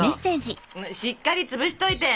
「しっかりつぶしといて！！」。